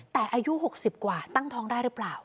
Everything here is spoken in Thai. แต่อายุ๖๐กว่าตั้งท้องได้หรือเปล่า